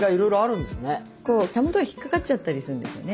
こう袂が引っ掛かっちゃったりするんですよね。